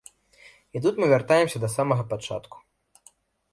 І тут мы вяртаемся да самага пачатку.